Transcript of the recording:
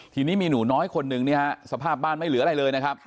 ทีนี้มีหนูน้อยคนหนึ่งสภาพบ้านไม่เหลืออะไรเลยนะครับ